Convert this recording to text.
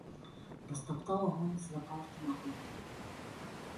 Растаптаў агонь з запалкі нагою.